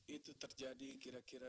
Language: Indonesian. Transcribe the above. itu terjadi kira kira